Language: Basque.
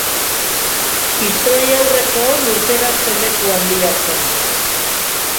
Historiaurreko lurperatze leku handia zen.